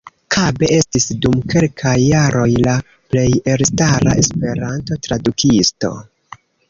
Kabe estis dum kelkaj jaroj la plej elstara Esperanto-tradukisto.